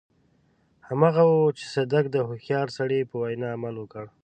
هماغه و چې صدک د هوښيار سړي په وينا عمل وکړ.